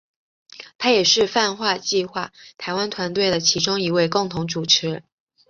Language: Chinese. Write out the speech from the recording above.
他也是泛星计画台湾团队的其中一位共同主持人。